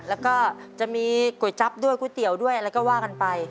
แล้วก็จะมีก๋วยจั๊บด้วยก๋วยเตี๋ยวด้วยอะไรก็ว่ากันไป